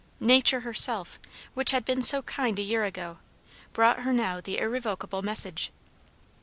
Nature herself, which had been so kind a year ago, brought her now the irrevocable message.